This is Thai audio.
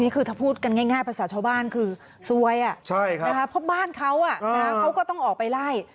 คือถ้าพูดกันง่ายภาษาชาวบ้านคือซวยเพราะบ้านเขาเขาก็ต้องออกไปไล่